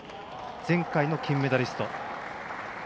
前回の金メダリスト。